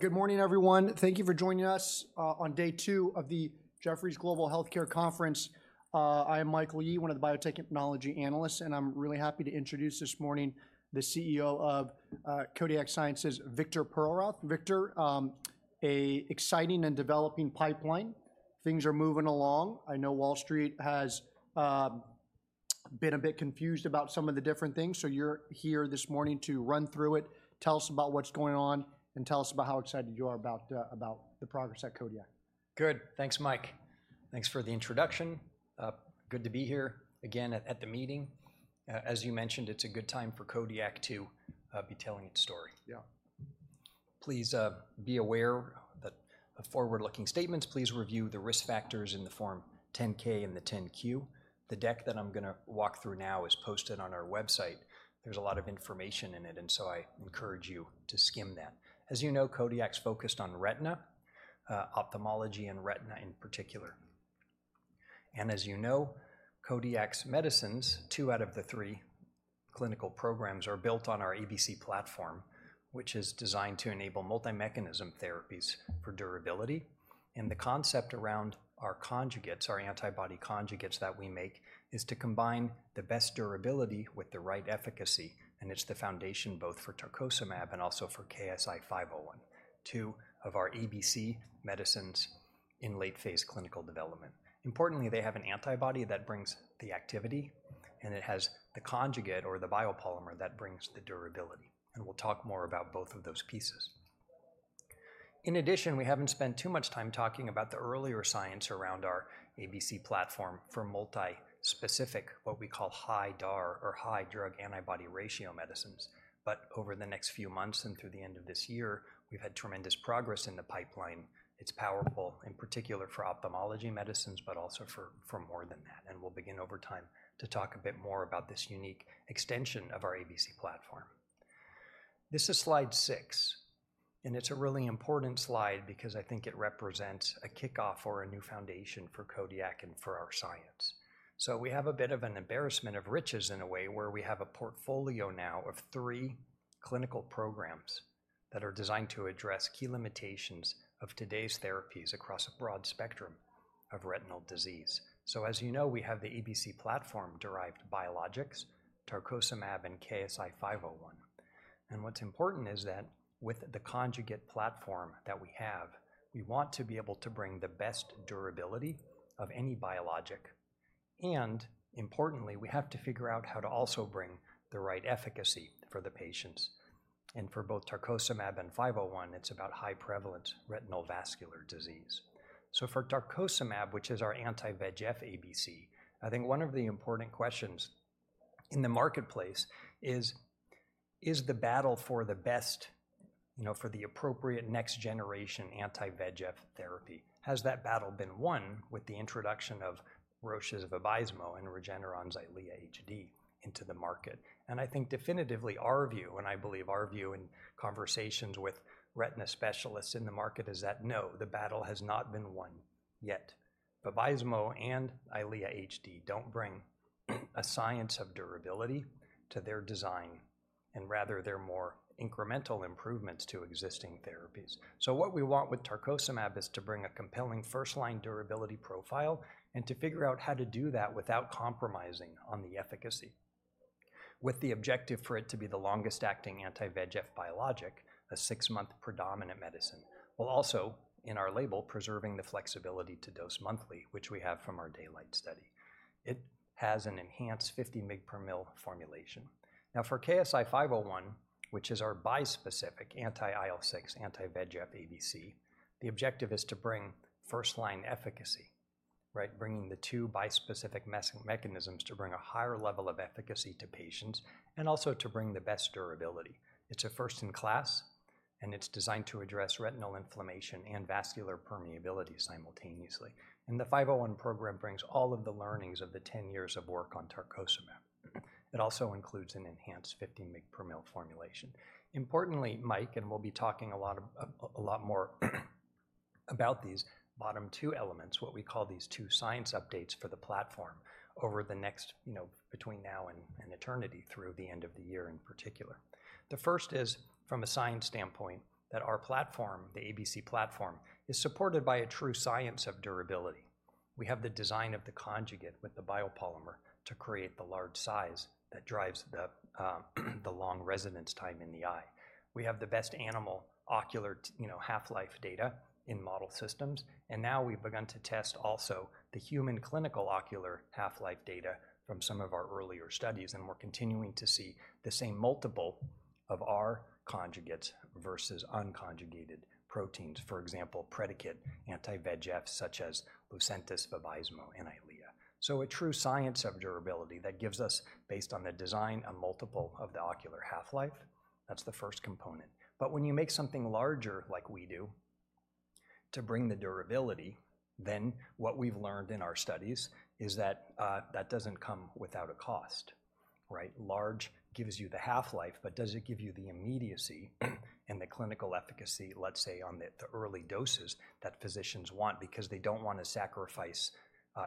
Good morning, everyone. Thank you for joining us on day two of the Jefferies Global Healthcare Conference. I am Michael Yee, one of the biotechnology analysts, and I'm really happy to introduce this morning the CEO of Kodiak Sciences, Victor Perlroth. Victor, a exciting and developing pipeline. Things are moving along. I know Wall Street has been a bit confused about some of the different things, so you're here this morning to run through it. Tell us about what's going on, and tell us about how excited you are about the progress at Kodiak. Good. Thanks, Mike. Thanks for the introduction. Good to be here again at the meeting. As you mentioned, it's a good time for Kodiak to be telling its story. Yeah. Please be aware of forward-looking statements. Please review the risk factors in the Form 10-K and the 10-Q. The deck that I'm gonna walk through now is posted on our website. There's a lot of information in it, and so I encourage you to skim that. As you know, Kodiak's focused on retina, ophthalmology and retina in particular. And as you know, Kodiak's medicines, two out of the three clinical programs, are built on our ABC platform, which is designed to enable multi-mechanism therapies for durability. And the concept around our conjugates, our antibody conjugates that we make, is to combine the best durability with the right efficacy, and it's the foundation both for tarcocimab and also for KSI-501, two of our ABC medicines in late-phase clinical development. Importantly, they have an antibody that brings the activity, and it has the conjugate or the biopolymer that brings the durability, and we'll talk more about both of those pieces. In addition, we haven't spent too much time talking about the earlier science around our ABC platform for multi-specific, what we call high DAR or high drug antibody ratio medicines. But over the next few months and through the end of this year, we've had tremendous progress in the pipeline. It's powerful, in particular for ophthalmology medicines, but also for more than that, and we'll begin over time to talk a bit more about this unique extension of our ABC platform. This is slide 6, and it's a really important slide because I think it represents a kickoff or a new foundation for Kodiak and for our science. So we have a bit of an embarrassment of riches in a way, where we have a portfolio now of three clinical programs that are designed to address key limitations of today's therapies across a broad spectrum of retinal disease. So as you know, we have the ABC platform-derived biologics, tarcocimab, and KSI-501. And what's important is that with the conjugate platform that we have, we want to be able to bring the best durability of any biologic, and importantly, we have to figure out how to also bring the right efficacy for the patients. And for both tarcocimab and 501, it's about high-prevalence retinal vascular disease. So for tarcocimab, which is our anti-VEGF ABC, I think one of the important questions in the marketplace is, is the battle for the best, you know, for the appropriate next-generation anti-VEGF therapy, has that battle been won with the introduction of Roche's Vabysmo and Regeneron's Eylea HD into the market? And I think definitively, our view, and I believe our view in conversations with retina specialists in the market, is that, no, the battle has not been won yet. Vabysmo and Eylea HD don't bring a science of durability to their design, and rather they're more incremental improvements to existing therapies. So what we want with tarcocimab is to bring a compelling first-line durability profile and to figure out how to do that without compromising on the efficacy, with the objective for it to be the longest-acting anti-VEGF biologic, a six-month predominant medicine, while also, in our label, preserving the flexibility to dose monthly, which we have from our DAYLIGHT study. It has an enhanced 50 mg per ml formulation. Now, for KSI-501, which is our bispecific anti-IL-6, anti-VEGF ABC, the objective is to bring first-line efficacy, right? Bringing the two bispecific mechanisms to bring a higher level of efficacy to patients and also to bring the best durability. It's a first in class, and it's designed to address retinal inflammation and vascular permeability simultaneously. And the 501 program brings all of the learnings of the 10 years of work on tarcocimab. It also includes an enhanced 50 mg per ml formulation. Importantly, Mike, and we'll be talking a lot more about these bottom two elements, what we call these two science updates for the platform, over the next, you know, between now and eternity, through the end of the year in particular. The first is, from a science standpoint, that our platform, the ABC platform, is supported by a true science of durability. We have the design of the conjugate with the biopolymer to create the large size that drives the long residence time in the eye. We have the best animal ocular, you know, half-life data in model systems, and now we've begun to test also the human clinical ocular half-life data from some of our earlier studies, and we're continuing to see the same multiple of our conjugates versus unconjugated proteins. For example, predicated anti-VEGF, such as Lucentis, Vabysmo, and Eylea. So a true science of durability that gives us, based on the design, a multiple of the ocular half-life. That's the first component. But when you make something larger, like we do, to bring the durability, then what we've learned in our studies is that that doesn't come without a cost. Right? Large gives you the half-life, but does it give you the immediacy and the clinical efficacy, let's say, on the early doses that physicians want? Because they don't want to sacrifice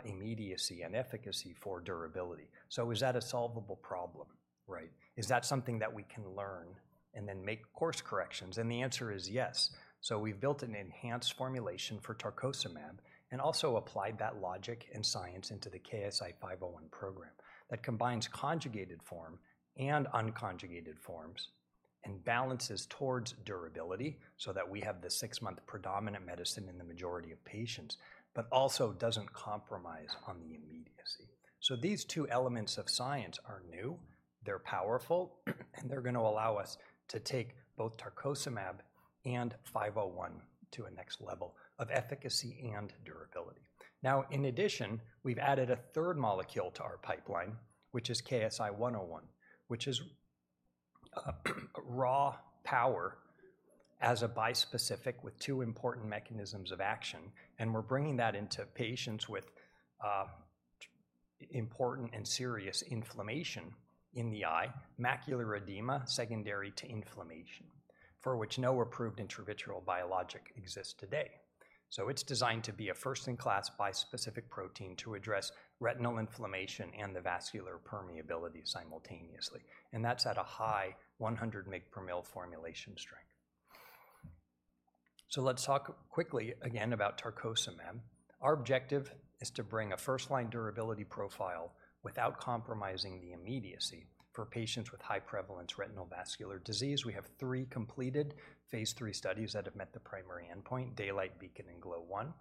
immediacy and efficacy for durability. So is that a solvable problem, right? Is that something that we can learn and then make course corrections? And the answer is yes. So we've built an enhanced formulation for tarcocimab and also applied that logic and science into the KSI-501 program, that combines conjugated form and unconjugated forms and balances towards durability, so that we have the six-month predominant medicine in the majority of patients, but also doesn't compromise on the immediacy. So these two elements of science are new, they're powerful, and they're gonna allow us to take both tarcocimab and 501 to a next level of efficacy and durability. Now, in addition, we've added a third molecule to our pipeline, which is KSI-101, which is raw power as a bispecific with two important mechanisms of action, and we're bringing that into patients with important and serious inflammation in the eye, macular edema secondary to inflammation, for which no approved intravitreal biologic exists today. So it's designed to be a first-in-class bispecific protein to address retinal inflammation and the vascular permeability simultaneously, and that's at a high 100 mg per ml formulation strength. So let's talk quickly again about tarcocimab. Our objective is to bring a first-line durability profile without compromising the immediacy for patients with high prevalence retinal vascular disease. We have three completed phase 3 studies that have met the primary endpoint, DAYLIGHT, BEACON, and GLOW-1.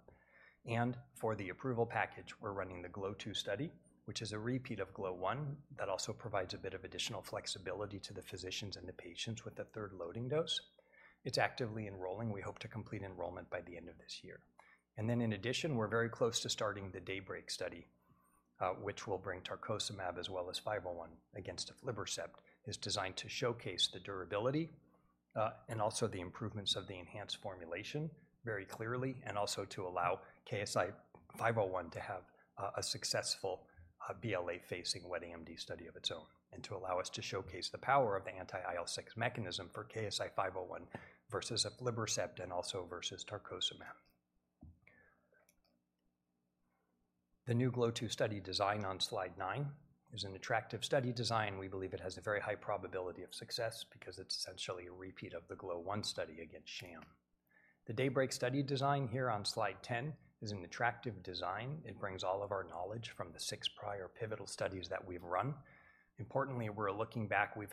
And for the approval package, we're running the GLOW-2 study, which is a repeat of GLOW-1, that also provides a bit of additional flexibility to the physicians and the patients with the third loading dose. It's actively enrolling. We hope to complete enrollment by the end of this year. And then in addition, we're very close to starting the DAYBREAK study, which will bring tarcocimab as well as 501 against aflibercept. It's designed to showcase the durability, and also the improvements of the enhanced formulation very clearly, and also to allow KSI-501 to have a successful, BLA-facing wet AMD study of its own, and to allow us to showcase the power of the anti-IL-6 mechanism for KSI-501 versus aflibercept and also versus tarcocimab. The new GLOW-1I study design on Slide nine is an attractive study design. We believe it has a very high probability of success because it's essentially a repeat of the GLOW-1 study against sham. The DAYBREAK study design here on Slide 10 is an attractive design. It brings all of our knowledge from the six prior pivotal studies that we've run. Importantly, we're looking back. We've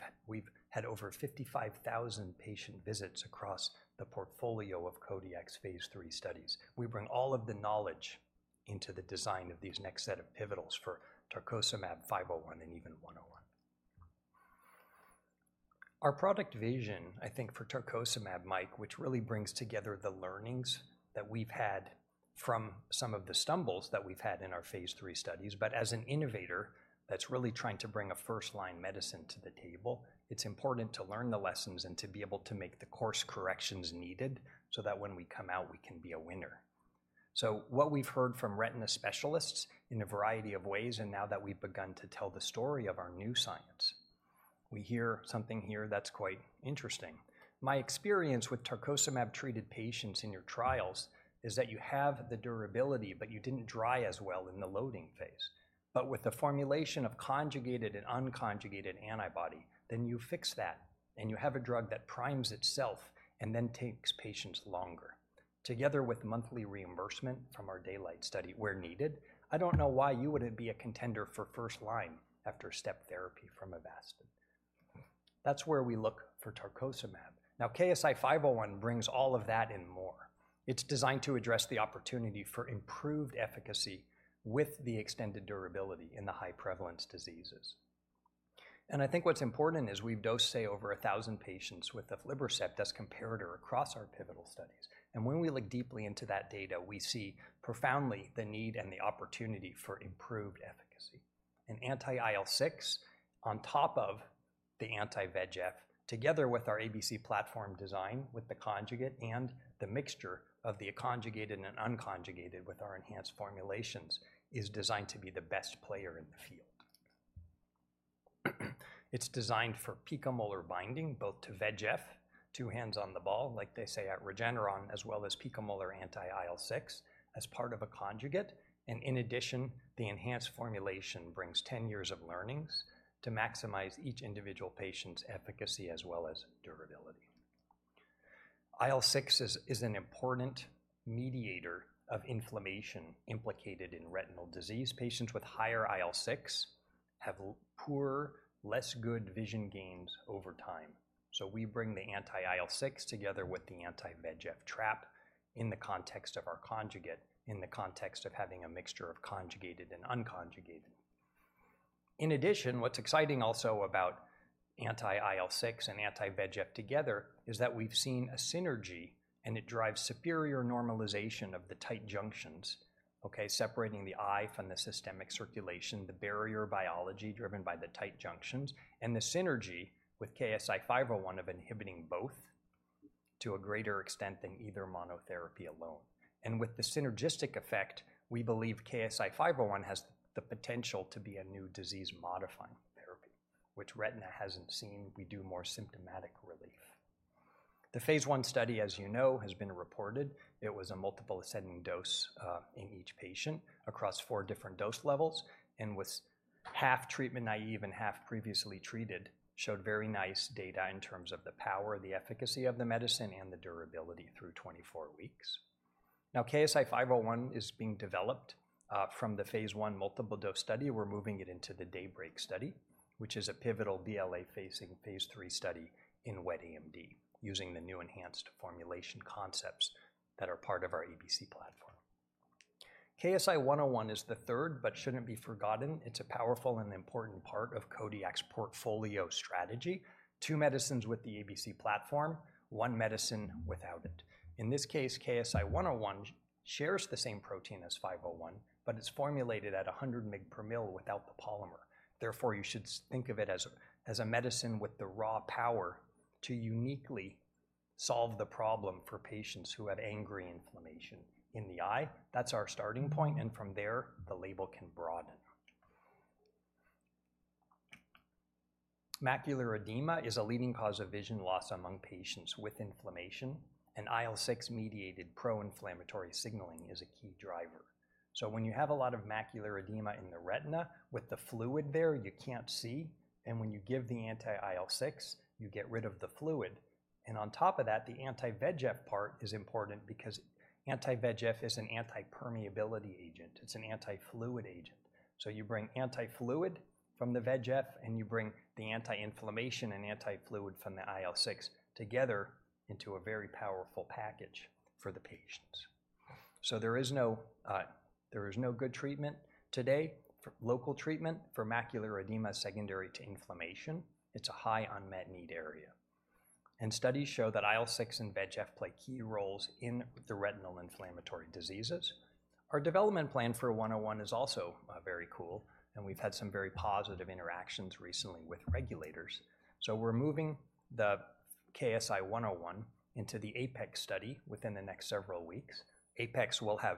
had over 55,000 patient visits across the portfolio of Kodiak's Phase III studies. We bring all of the knowledge into the design of these next set of pivotals for tarcocimab, 501, and 101. Our product vision, I think for tarcocimab, Mike, which really brings together the learnings that we've had from some of the stumbles that we've had in our phase III studies. But as an innovator that's really trying to bring a first-line medicine to the table, it's important to learn the lessons and to be able to make the course corrections needed so that when we come out, we can be a winner. So what we've heard from retina specialists in a variety of ways, and now that we've begun to tell the story of our new science, we hear something here that's quite interesting. My experience with tarcocimab-treated patients in your trials is that you have the durability, but you didn't dry as well in the loading phase. But with the formulation of conjugated and unconjugated antibody, then you fix that, and you have a drug that primes itself and then takes patients longer. Together with monthly reimbursement from our DAYLIGHT study, where needed, I don't know why you wouldn't be a contender for first line after step therapy from Avastin. That's where we look for tarcocimab. Now, KSI-501 brings all of that and more. It's designed to address the opportunity for improved efficacy with the extended durability in the high prevalence diseases. And I think what's important is we've dosed, say, over a thousand patients with aflibercept as comparator across our pivotal studies. And when we look deeply into that data, we see profoundly the need and the opportunity for improved efficacy. An anti-IL-6 on top of the anti-VEGF, together with our ABC platform design, with the conjugate and the mixture of the conjugated and unconjugated with our enhanced formulations, is designed to be the best player in the field. It's designed for picomolar binding, both to VEGF, two hands on the ball, like they say at Regeneron, as well as picomolar anti-IL-6 as part of a conjugate. In addition, the enhanced formulation brings 10 years of learnings to maximize each individual patient's efficacy as well as durability. IL-6 is an important mediator of inflammation implicated in retinal disease. Patients with higher IL-6 have poor, less good vision gains over time. So we bring the anti-IL-6 together with the anti-VEGF trap in the context of our conjugate, in the context of having a mixture of conjugated and unconjugated. In addition, what's exciting also about anti-IL-6 and anti-VEGF together is that we've seen a synergy, and it drives superior normalization of the tight junctions, okay? Separating the eye from the systemic circulation, the barrier biology driven by the tight junctions, and the synergy with KSI-501 of inhibiting both... to a greater extent than either monotherapy alone. And with the synergistic effect, we believe KSI-501 has the potential to be a new disease-modifying therapy, which retina hasn't seen. We do more symptomatic relief. The phase I study, as you know, has been reported. It was a multiple ascending dose in each patient across four different dose levels, and with half treatment naive and half previously treated, showed very nice data in terms of the power, the efficacy of the medicine, and the durability through 24 weeks. Now, KSI-501 is being developed from the phase I multiple dose study. We're moving it into the DAYBREAK study, which is a pivotal BLA-facing phase III study in wet AMD, using the new enhanced formulation concepts that are part of our ABC platform. KSI-101 is the third, but shouldn't be forgotten. It's a powerful and important part of Kodiak's portfolio strategy. Two medicines with the ABC platform, one medicine without it. In this case, KSI-101 shares the same protein as 501, but it's formulated at 100 mg per ml without the polymer. Therefore, you should think of it as, as a medicine with the raw power to uniquely solve the problem for patients who have angry inflammation in the eye. That's our starting point, and from there, the label can broaden. Macular edema is a leading cause of vision loss among patients with inflammation, and IL-6 mediated pro-inflammatory signaling is a key driver. So when you have a lot of macular edema in the retina, with the fluid there, you can't see, and when you give the anti-IL-6, you get rid of the fluid. And on top of that, the anti-VEGF part is important because anti-VEGF is an anti-permeability agent. It's an anti-fluid agent. So you bring anti-fluid from the VEGF, and you bring the anti-inflammation and anti-fluid from the IL-6 together into a very powerful package for the patients. So there is no, there is no good treatment today, for local treatment for macular edema secondary to inflammation. It's a high unmet need area. And studies show that IL-6 and VEGF play key roles in the retinal inflammatory diseases. Our development plan for 101 is also, very cool, and we've had some very positive interactions recently with regulators. So we're moving the KSI-101 into the APEX study within the next several weeks. APEX will have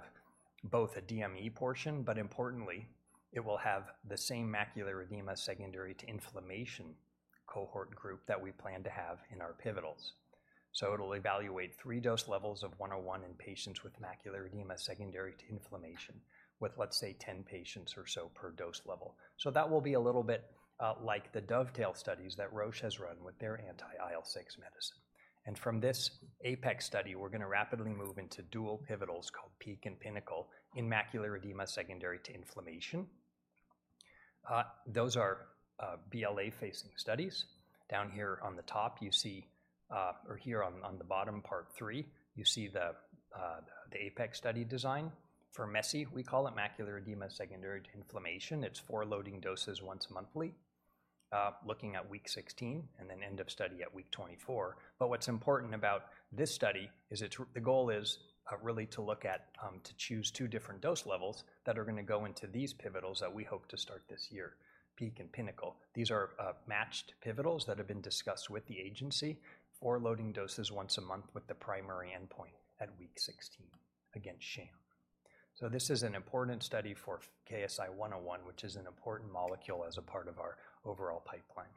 both a DME portion, but importantly, it will have the same macular edema secondary to inflammation cohort group that we plan to have in our pivotals. So it'll evaluate three dose levels of 101 in patients with macular edema secondary to inflammation, with, let's say, 10 patients or so per dose level. So that will be a little bit like the dovetail studies that Roche has run with their anti-IL-6 medicine. And from this APEX study, we're gonna rapidly move into dual pivotals, called PEAK and PINNACLE, in macular edema secondary to inflammation. Those are BLA-facing studies. Down here on the top, you see or here on the bottom, part three, you see the APEX study design. For MESI, we call it macular edema secondary to inflammation. It's four loading doses once monthly, looking at week 16, and then end of study at week 24. But what's important about this study is it's the goal is really to look at to choose two different dose levels that are gonna go into these pivotals that we hope to start this year, PEAK and PINNACLE. These are matched pivotals that have been discussed with the agency for loading doses once a month, with the primary endpoint at week 16 against sham. So this is an important study for KSI-101, which is an important molecule as a part of our overall pipeline.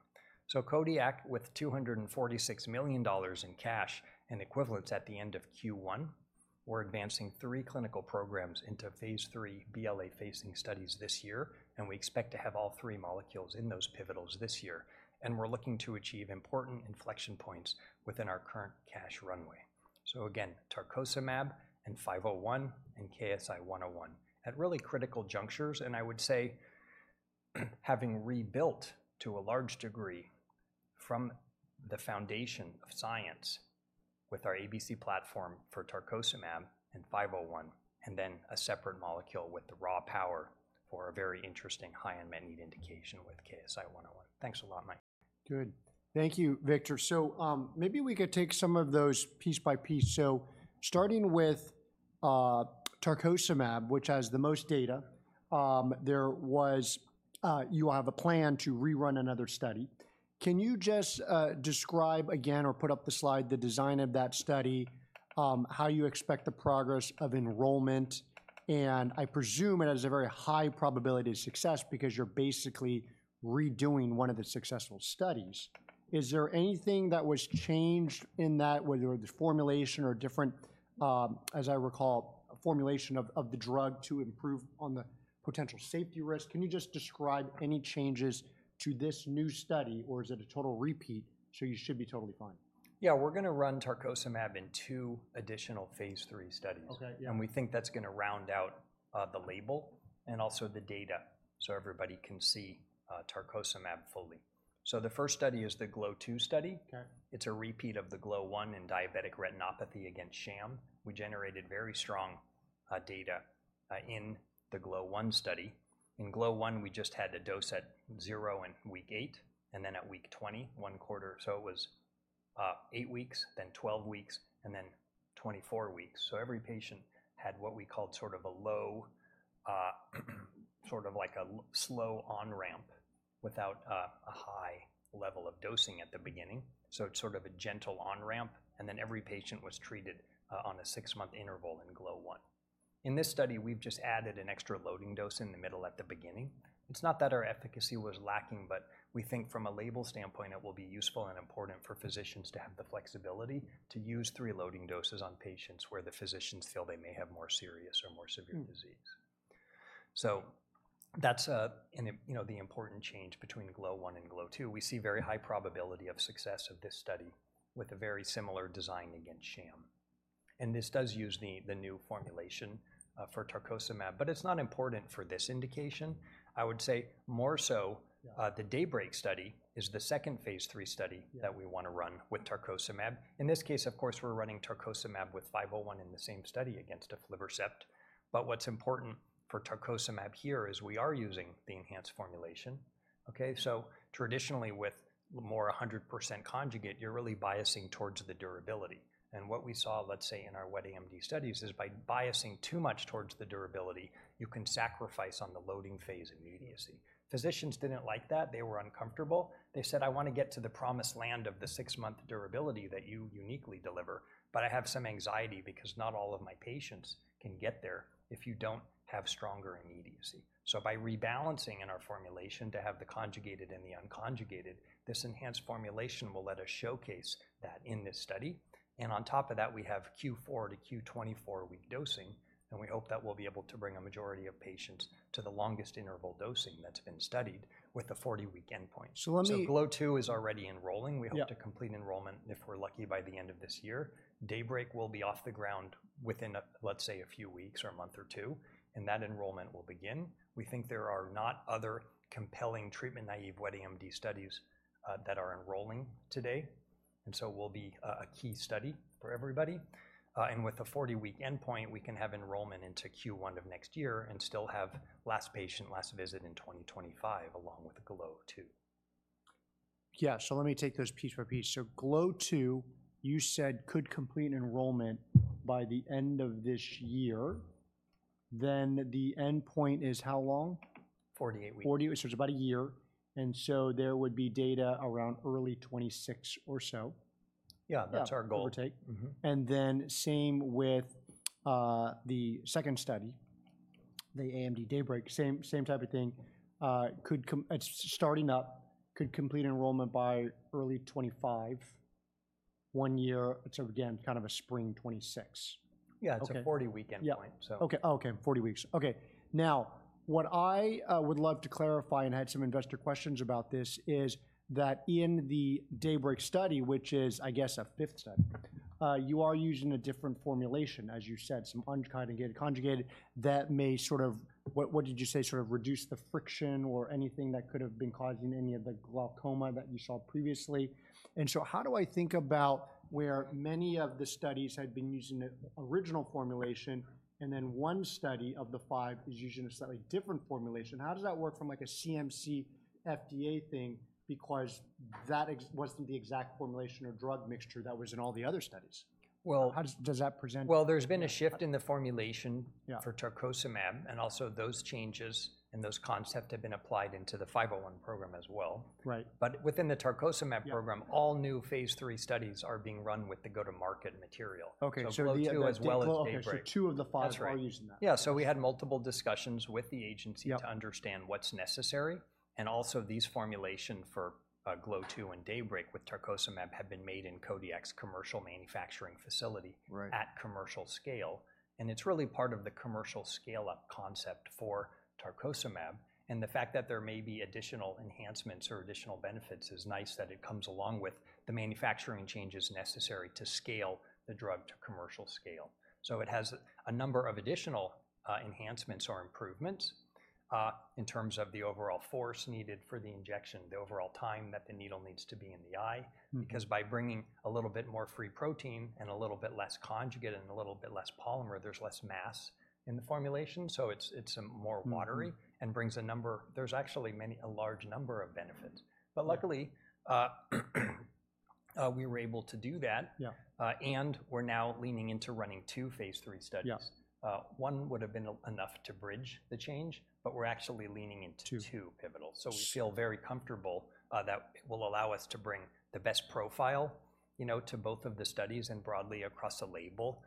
Kodiak, with $246 million in cash and equivalents at the end of Q1, we're advancing three clinical programs into phase III BLA-facing studies this year, and we expect to have all three molecules in those pivotals this year. We're looking to achieve important inflection points within our current cash runway. Again, tarcocimab, 501, and KSI-101, at really critical junctures, and I would say, having rebuilt to a large degree from the foundation of science with our ABC platform for tarcocimab and 501, and then a separate molecule with the raw power for a very interesting high unmet need indication with KSI-101. Thanks a lot, Mike. Good. Thank you, Victor. So, maybe we could take some of those piece by piece. So starting with, tarcocimab, which has the most data, you have a plan to rerun another study. Can you just describe again or put up the slide, the design of that study, how you expect the progress of enrollment? And I presume it has a very high probability of success because you're basically redoing one of the successful studies. Is there anything that was changed in that, whether the formulation or different, as I recall, formulation of, of the drug to improve on the potential safety risk? Can you just describe any changes to this new study, or is it a total repeat, so you should be totally fine? Yeah, we're gonna run tarcocimab in two additional phase 3 studies. Okay, yeah. And we think that's gonna round out, the label and also the data, so everybody can see, tarcocimab fully. So the first study is the GLOW-2 study. Okay. It's a repeat of the GLOW-1 in diabetic retinopathy against sham. We generated very strong data in the GLOW-1 study. In GLOW-1, we just had a dose at 0 and week 8, and then at week 20, one quarter. So it was 8 weeks, then 12 weeks, and then 24 weeks. So every patient had what we called sort of a low, sort of like a slow on-ramp without a high level of dosing at the beginning. So it's sort of a gentle on-ramp, and then every patient was treated on a six-month interval in GLOW-1. In this study, we've just added an extra loading dose in the middle at the beginning. It's not that our efficacy was lacking, but we think from a label standpoint, it will be useful and important for physicians to have the flexibility to use three loading doses on patients where the physicians feel they may have more serious or more severe disease. So that's, and, you know, the important change between GLOW-1 and GLOW-2. We see very high probability of success of this study with a very similar design against sham, and this does use the, the new formulation, for tarcocimab, but it's not important for this indication. I would say more so- Yeah the DAYBREAK study is the second phase 3 study- Yeah that we wanna run with tarcocimab. In this case, of course, we're running tarcocimab with KSI-501 in the same study against aflibercept. But what's important for tarcocimab here is we are using the enhanced formulation. Okay, so traditionally, with more than 100% conjugate, you're really biasing towards the durability. And what we saw, let's say, in our wet AMD studies, is by biasing too much towards the durability, you can sacrifice on the loading phase immediacy. Physicians didn't like that. They were uncomfortable. They said: "I want to get to the promised land of the six-month durability that you uniquely deliver, but I have some anxiety because not all of my patients can get there if you don't have stronger immediacy." So by rebalancing in our formulation to have the conjugated and the unconjugated, this enhanced formulation will let us showcase that in this study. On top of that, we have Q4 to Q24-week dosing, and we hope that we'll be able to bring a majority of patients to the longest interval dosing that's been studied with the 40-week endpoint. So let me- GLOW 2 is already enrolling. Yeah. We hope to complete enrollment, if we're lucky, by the end of this year. DAYBREAK will be off the ground within, let's say, a few weeks or a month or two, and that enrollment will begin. We think there are not other compelling treatment-naive wet AMD studies that are enrolling today, and so will be a key study for everybody. And with the 40-week endpoint, we can have enrollment into Q1 of next year and still have last patient, last visit in 2025, along with GLOW 2. Yeah, let me take those piece by piece. GLOW 2, you said, could complete enrollment by the end of this year. The endpoint is how long? Forty-eight weeks. So it's about a year, and so there would be data around early 2026 or so. Yeah, that's our goal. Overtake. Mm-hmm. And then same with the second study, the AMD DAYBREAK. Same, same type of thing. It's starting up, could complete enrollment by early 2025, one year. So again, kind of a spring 2026. Yeah. Okay. It's a 40-week endpoint. Yeah. So. Okay, okay, 40 weeks. Okay, now, what I would love to clarify, and had some investor questions about this, is that in the DAYBREAK study, which is, I guess, a fifth study, you are using a different formulation, as you said, some unconjugated, conjugated, that may sort of... What, what did you say? Sort of reduce the friction or anything that could have been causing any of the glaucoma that you saw previously. And so how do I think about where many of the studies had been using the original formulation, and then one study of the five is using a slightly different formulation? How does that work from, like, a CMC FDA thing? Because that wasn't the exact formulation or drug mixture that was in all the other studies. Well How does that present? Well, there's been a shift in the formulation Yeah for tarcocimab, and also those changes and those concept have been applied into the KSI-501 program as well. Right. But within the tarcocimab program Yeah All new phase 3 studies are being run with the go-to-market material. Okay, so the So GLOW 2, as well as DAYBREAK. Okay, so two of the five That's right Are using that. Yeah, so we had multiple discussions with the agency- Yep To understand what's necessary. Also, these formulations for GLOW 2 and DAYBREAK with tarcocimab have been made in Kodiak's commercial manufacturing facility- Right At commercial scale. It's really part of the commercial scale-up concept for tarcocimab. The fact that there may be additional enhancements or additional benefits is nice, that it comes along with the manufacturing changes necessary to scale the drug to commercial scale. It has a number of additional enhancements or improvements in terms of the overall force needed for the injection, the overall time that the needle needs to be in the eye. Because by bringing a little bit more free protein and a little bit less conjugate and a little bit less polymer, there's less mass in the formulation, so it's more watery. There's actually many, a large number of benefits. Yeah. But luckily, we were able to do that. Yeah. We're now leaning into running 2 phase 3 studies. Yeah. One would have been enough to bridge the change, but we're actually leaning into- Two Two pivotal. So we feel very comfortable that will allow us to bring the best profile, you know, to both of the studies and broadly across the label.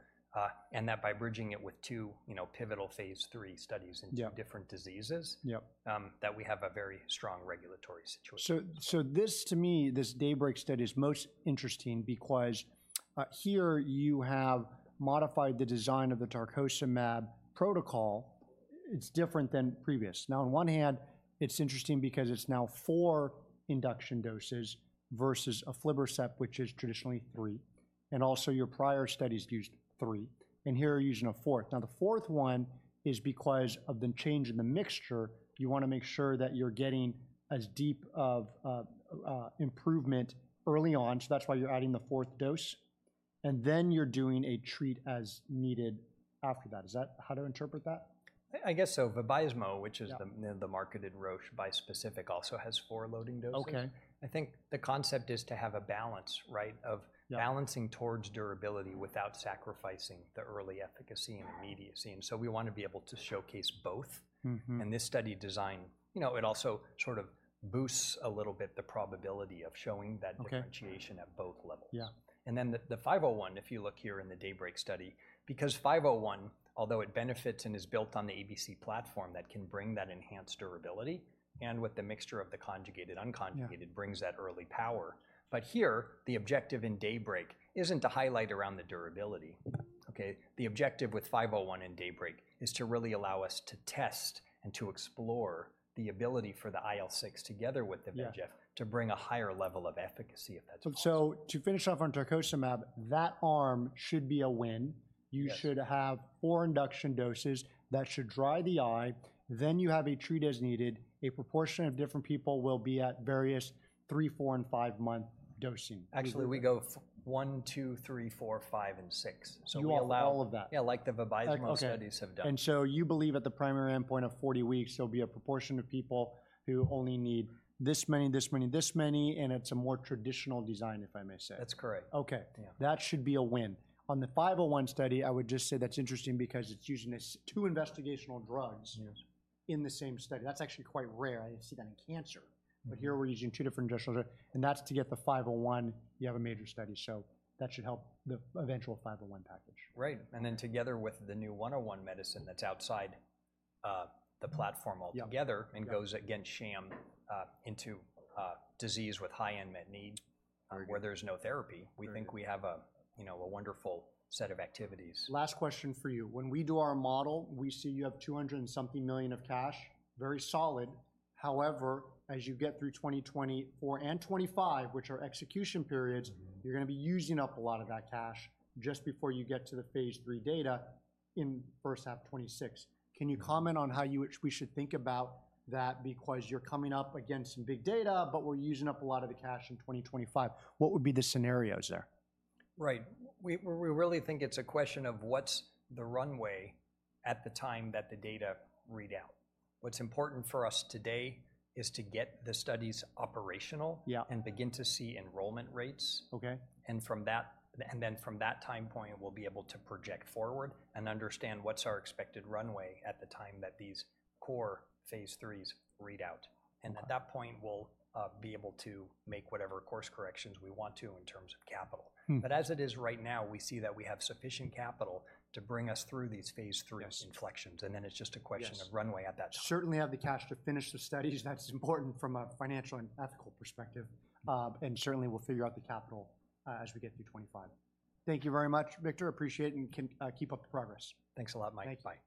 And that by bridging it with two, you know, pivotal phase 3 studies in- Yep Different diseases Yep That we have a very strong regulatory situation. So, so this to me, this DAYBREAK study is most interesting because here you have modified the design of the tarcocimab protocol. It's different than previous. Now, on one hand, it's interesting because it's now 4 induction doses versus aflibercept, which is traditionally 3, and also your prior studies used 3, and here you're using a fourth. Now, the fourth one is because of the change in the mixture. You wanna make sure that you're getting as deep of improvement early on, so that's why you're adding the fourth dose? And then you're doing a treat as needed after that. Is that how to interpret that? I, I guess so. Vabysmo, which is the- Yeah the marketed Roche bispecific, also has four loading doses. Okay. I think the concept is to have a balance, right? Yeah. Of balancing towards durability without sacrificing the early efficacy- Yeah Immediacy, and so we want to be able to showcase both. This study design, you know, it also sort of boosts a little bit the probability of showing that- Okay differentiation at both levels. Yeah. And then the 501, if you look here in the DAYBREAK study, because 501, although it benefits and is built on the ABC platform that can bring that enhanced durability, and with the mixture of the conjugated/unconjugated- Yeah Brings that early power. But here, the objective in DAYBREAK isn't to highlight around the durability. Okay? The objective with 501 and DAYBREAK is to really allow us to test and to explore the ability for the IL-6 together with the VEGF- Yeah to bring a higher level of efficacy if that's possible. So to finish off on tarcocimab, that arm should be a win. Yes. You should have four induction doses that should dry the eye, then you have a treat as needed. A proportion of different people will be at various three, four, and five-month dosing. Actually, we go one, two, three, four, five, and six. So we allow- You want all of that? Yeah, like the Vabysmo Okay Studies have done. And so you believe at the primary endpoint of 40 weeks, there'll be a proportion of people who only need this many, this many, this many, and it's a more traditional design, if I may say? That's correct. Okay. Yeah. That should be a win. On the 501 study, I would just say that's interesting because it's using these two investigational drugs- Yes In the same study. That's actually quite rare. I see that in cancer. But here we're using two different drugs, and that's to get the 501. You have a major study, so that should help the eventual 501 package. Right. And then together with the new 101 medicine that's outside the platform altogether- Yeah And goes against sham, into, disease with high unmet need- Agreed Where there's no therapy. Agreed. We think we have a, you know, a wonderful set of activities. Last question for you. When we do our model, we see you have $200-something million in cash, very solid. However, as you get through 2024 and 2025, which are execution periods, you're gonna be using up a lot of that cash just before you get to the phase 3 data in first half 2026. Can you comment on how we should think about that? Because you're coming up against some big data, but we're using up a lot of the cash in 2025. What would be the scenarios there? Right. We really think it's a question of what's the runway at the time that the data read out. What's important for us today is to get the studies operational- Yeah And begin to see enrollment rates. Okay. And then from that time point, we'll be able to project forward and understand what's our expected runway at the time that these core Phase IIIs read out. Okay. At that point, we'll be able to make whatever course corrections we want to in terms of capital. As it is right now, we see that we have sufficient capital to bring us through these phase III- Yes Inflections, and then it's just a question- Yes Of runway at that time. Certainly have the cash to finish the studies. That's important from a financial and ethical perspective, and certainly, we'll figure out the capital, as we get through 2025. Thank you very much, Victor. Appreciate it, and keep, keep up the progress. Thanks a lot, Mike. Thank you. Bye.